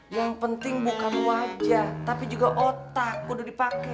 yang penting bukan wajah tapi juga otak udah dipakai